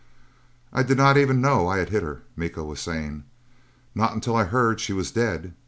"I did not even know I had hit her," Miko was saying. "Not until I heard she was dead."